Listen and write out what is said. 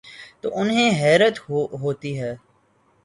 تو انہیں حیرت ہو تی ہے۔